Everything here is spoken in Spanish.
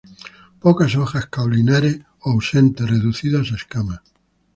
Pocas hojas caulinares o ausentes, reducida a escamas.